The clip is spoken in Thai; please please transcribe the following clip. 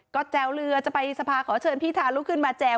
ก็แจวเรือจะไปสภาขอเชิญพี่ทาลุกขึ้นมาแจว